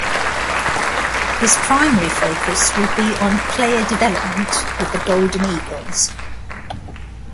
His primary focus will be on player development with the Golden Eagles.